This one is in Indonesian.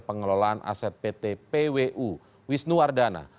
pengelolaan aset pt pwu wisnu ardana